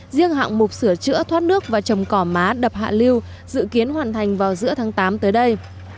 riêng hạng mục sửa chữa thoát nước và trồng cỏ má đập hạ lưu dự kiến hoàn thành vào giữa tháng tám tới đây